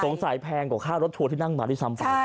สงสัยแพงกว่าค่ารถที่นั่งมาที่สำภัย